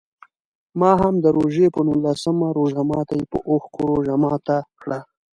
ما هم د روژې په نولسم روژه ماتي په اوښکو روژه ماته کړه.